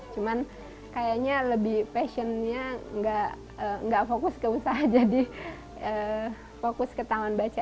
cuman kayaknya lebih passionnya nggak fokus ke usaha jadi fokus ke taman baca